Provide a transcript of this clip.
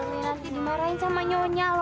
mas erwin nanti dimarahin sama nyonya